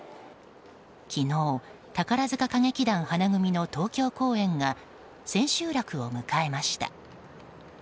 昨日、宝塚歌劇団花組の東京公演が千秋楽を迎えました。